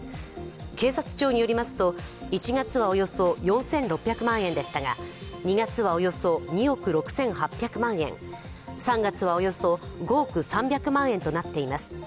警察庁によりますと１月はおよそ４６００万円でしたが２月はおよそ２億６８００万円、３月はおよそ５億３００万円となっています。